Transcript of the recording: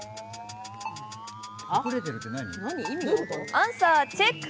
アンサー・チェック！